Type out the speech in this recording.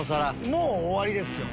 もう終わりですよ。